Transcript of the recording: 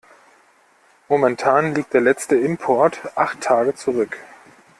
Momentan liegt der letzte Import acht Tage zurück.